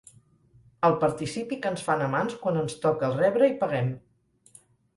El participi que ens fan a mans quan ens toca el rebre i paguem.